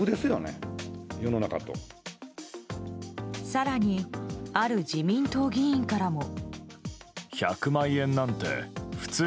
更に、ある自民党議員からも。